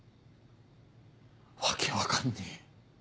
訳分かんねえ。